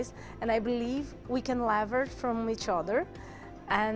dan saya percaya kita bisa berkelanjutan